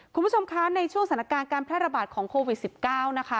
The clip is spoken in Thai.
คุณผู้ชมคะในช่วงสถานการณ์การแพร่ระบาดของโควิด๑๙นะคะ